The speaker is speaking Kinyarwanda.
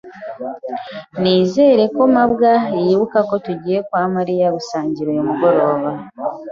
Nizere ko mabwa yibuka ko tugiye kwa Mariya gusangira uyu mugoroba.